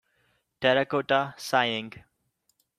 Terracotta Sighing